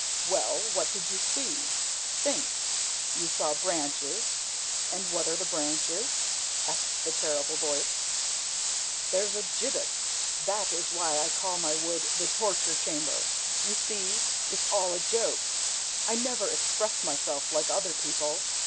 "Well, what did you see? Think! You saw branches And what are the branches?" asked the terrible voice. "THERE'S A GIBBET! That is why I call my wood the torture chamber! ... You see, it's all a joke. I never express myself like other people.